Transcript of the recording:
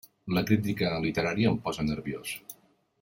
La crítica literària em posa nerviós!